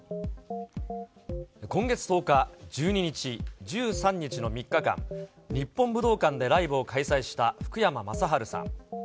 今月１０日、１２日、１３日の３日間、日本武道館でライブを開催した福山雅治さん。